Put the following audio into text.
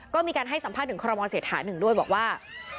ก็มีการให้สัมภาษณ์ถึงคอรมอเศรษฐานึงด้วยบอกว่า